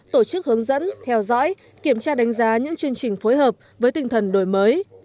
tổ chức hướng dẫn theo dõi kiểm tra đánh giá những chương trình phối hợp với tinh thần đổi mới